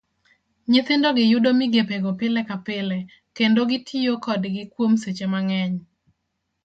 Nyithindogi yudo migepego pile ka pile, kendo gitiyo kodgi kuom seche mang'eny.